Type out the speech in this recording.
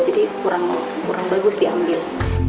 jadi kurang bagus diambil